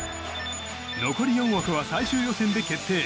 残り４枠は最終予選で決定。